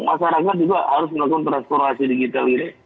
masyarakat juga harus melakukan transformasi digital ini